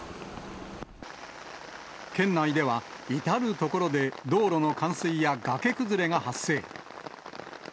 県内では、至る所で道路の冠水や崖崩れが発生。